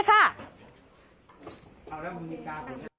เป็นพระหรือเปล่า